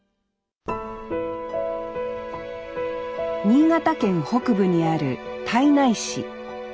新潟県北部にある胎内市。